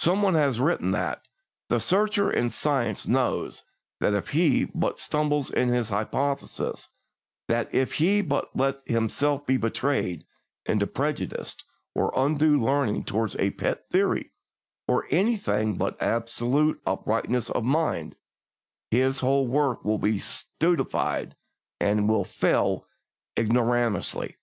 Some one has written that "the searcher in science knows that if he but stumble in his hypothesis that if he but let himself be betrayed into prejudice or undue leaning toward a pet theory, or anything but absolute uprightness of mind his whole work will be stultified and he will fail ignominiously.